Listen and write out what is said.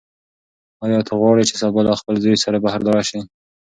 ایا ته غواړې چې سبا له خپل زوی سره بهر لاړه شې؟